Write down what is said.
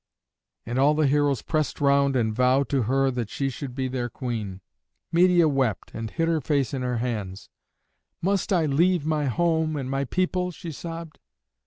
And all the heroes pressed round and vowed to her that she should be their queen. Medeia wept and hid her face in her hands. "Must I leave my home and my people?" she sobbed.